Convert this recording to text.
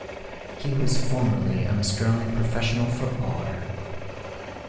He was formerly an Australian professional footballer.